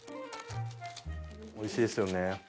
おいしいですよね。